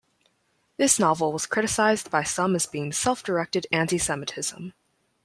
This novel was criticized by some as being self-directed antisemitism.